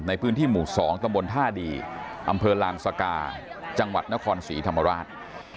ในพื้นที่หมู่๒ตำบลท่าดีอำเภอลานสกาจังหวัดนครศรีธรรมราช